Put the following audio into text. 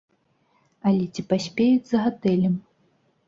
Але ці паспеюць з гатэлем?